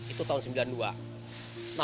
itu tahun sembilan puluh dua